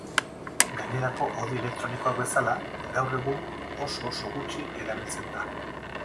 Gainerako hodi elektronikoak bezala, gaur egun oso-oso gutxi erabiltzen da.